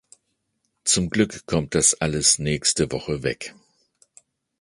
Zum Glück kommt das alles nächste Woche weg.